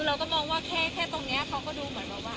คุณเราก็มองว่าแค่แค่ตรงเนี้ยเขาก็ดูเหมือนแบบว่าอ่า